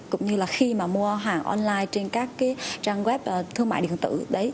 cũng như là khi mà mua hàng online trên các cái trang web thương mại điện tử đấy